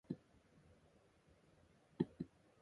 Was he worth the money?